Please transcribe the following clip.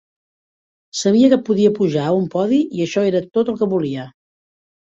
Sabia que podia pujar a un podi i això era tot el que volia.